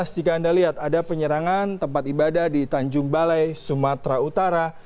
jika anda lihat ada penyerangan tempat ibadah di tanjung balai sumatera utara